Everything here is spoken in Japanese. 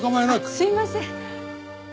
すいません。